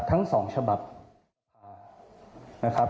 ทั้ง๒ฉบับ